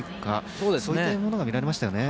そういったことが見られましたね。